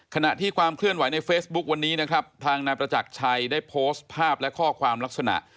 ขณะที่ความเคลื่อนไหวในเฟซบุ๊ควันนี้นะครับทางนายประจักรชัยได้โพสต์ภาพและข้อความลักษณะ